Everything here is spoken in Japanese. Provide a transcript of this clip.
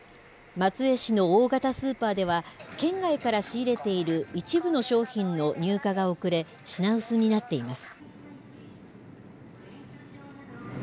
松江市の大型スーパーでは、県外から仕入れている一部の商品の入荷が遅れ、品薄になっています。